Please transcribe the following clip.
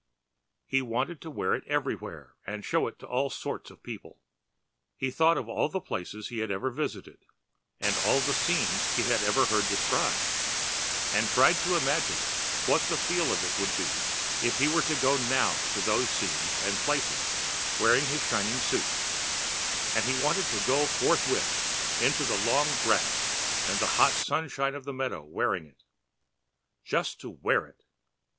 He wanted to wear it everywhere and show it to all sorts of people. He thought over all the places he had ever visited and all the scenes he had ever heard described, and tried to imagine what the feel of it would be if he were to go now to those scenes and places wearing his shining suit, and he wanted to go out forthwith into the long grass and the hot sunshine of the meadow wearing it. Just to wear it!